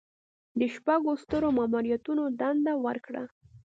د شپږو سترو ماموریتونو دنده ورکړه.